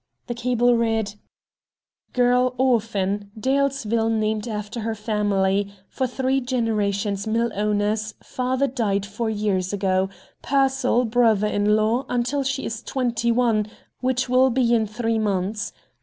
The cable read: "Girl orphan, Dalesville named after her family, for three generations mill owners, father died four years ago, Pearsall brother in law until she is twenty one, which will be in three months.